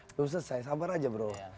belum selesai sabar aja bro